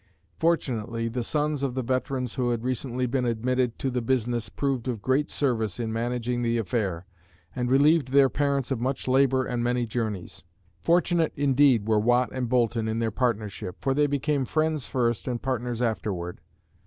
Fortunately the sons of the veterans who had recently been admitted to the business proved of great service in managing the affair, and relieved their parents of much labor and many journeys. Fortunate indeed were Watt and Boulton in their partnership, for they became friends first and partners afterward.